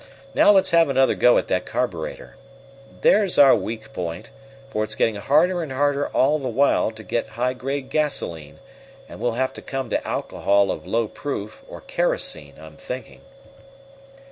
Now let's have another go at that carburetor. There's our weak point, for it's getting harder and harder all the while to get high grade gasolene, and we'll have to come to alcohol of low proof, or kerosene, I'm thinking."